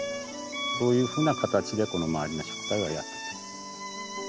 そういうふうな形でこの周りの植栽はやって。